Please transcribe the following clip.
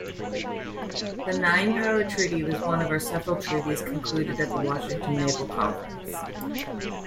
The Nine-Power Treaty was one of several treaties concluded at the Washington Naval Conference.